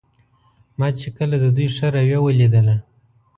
ما چې کله د دوی ښه رویه ولیدله.